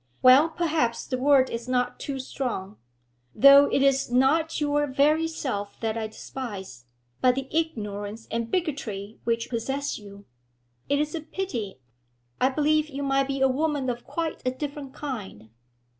'Well, perhaps the word is not too strong; though it is not your very self that I despise, but the ignorance and bigotry which possess you. It is a pity; I believe you might be a woman of quite a different kind.'